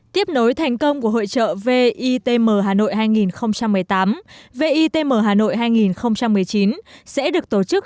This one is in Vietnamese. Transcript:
tiếp nối thành công của hội trợ vitm hà nội hai nghìn một mươi tám vitm hà nội hai nghìn một mươi chín sẽ được tổ chức